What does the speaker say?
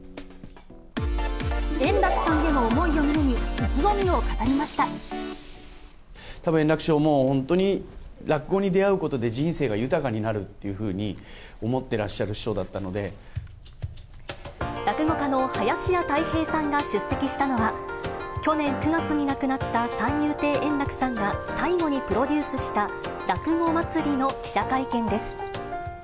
円楽さんへの思いを胸に、たぶん、円楽師匠も、本当に、落語に出会うことで人生が豊かになるっていうふうに思ってらっし落語家の林家たい平さんが出席したのは、去年９月に亡くなった三遊亭円楽さんが最後にプロデュースした落語まつりの記者会見です。